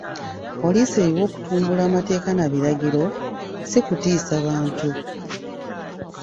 Poliisi eriwo kutumbula mateeka na biragiro, si kutiisa bantu.